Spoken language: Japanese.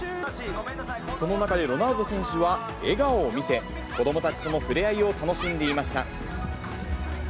その中で、ロナウド選手は笑顔を見せ、子どもたちとの触れ合いを楽しんでいました。